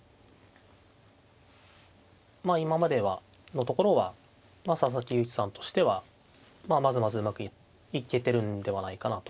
まあ今までのところは佐々木勇気さんとしてはまずまずうまくいけてるんではないかなと。